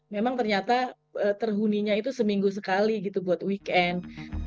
memang ternyata terhuninya itu seminggu sekali gitu buat weekend